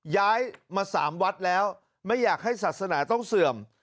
ย้ายมา๓วัดแล้วไม่อยากให้ศาสนาต้องเสื่อม